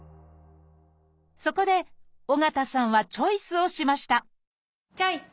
そこで緒方さんはチョイスをしましたチョイス！